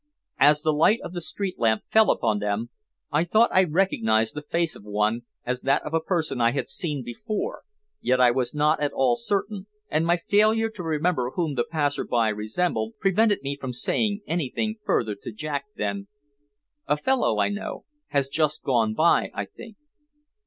As the light of the street lamp fell upon them, I thought I recognized the face of one as that of a person I had seen before, yet I was not at all certain, and my failure to remember whom the passer by resembled prevented me from saying anything further to Jack than: "A fellow I know has just gone by, I think."